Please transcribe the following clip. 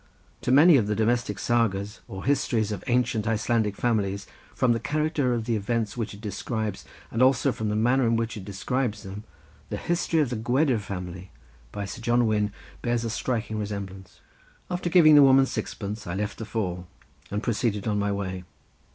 To many of the domestic sagas, or histories of ancient Icelandic families, from the character of the events which it describes and also from the manner in which it describes them, the History of the Gwedir Family, by Sir John Wynne, bears a striking resemblance. After giving the woman sixpence I left the fall, and proceeded on my way.